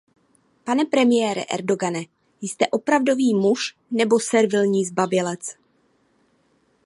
Pane premiére Erdoğane, jste opravdový muž nebo servilní zbabělec?